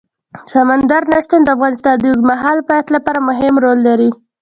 سمندر نه شتون د افغانستان د اوږدمهاله پایښت لپاره مهم رول لري.